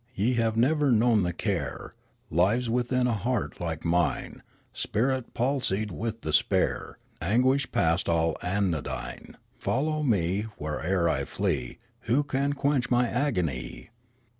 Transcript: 276 Riallaro Ye have never kuown the care Lives within a heart like mine ; Spirit palsied with despair, Anguish past all anodyne, Follow me where'er I flee. Who can quench my agony